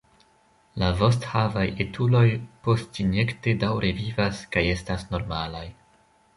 La vosthavaj etuloj postinjekte daŭre vivas kaj estas normalaj.